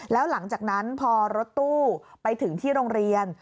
แล้วหลังจากนั้นพอรถตู้ไปถึงที่โรงเรียน